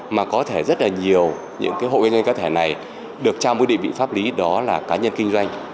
mà có thể rất là nhiều những cái hộ kinh doanh cao thể này được trao mối định vị pháp lý đó là cá nhân kinh doanh